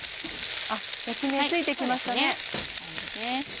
焼き目ついてきましたね。